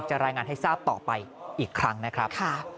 รายงานให้ทราบต่อไปอีกครั้งนะครับ